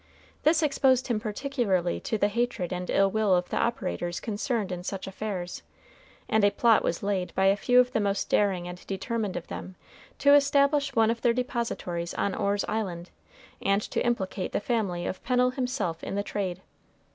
This exposed him particularly to the hatred and ill will of the operators concerned in such affairs, and a plot was laid by a few of the most daring and determined of them to establish one of their depositories on Orr's Island, and to implicate the family of Pennel himself in the trade.